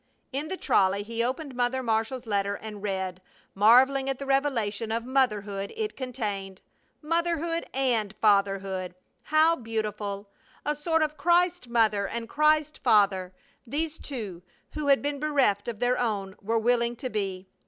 In the trolley he opened Mother Marshall's letter and read, marveling at the revelation of motherhood it contained. Motherhood and fatherhood! How beautiful! A sort of Christ mother and Christ father, these two who had been bereft of their own, were willing to be!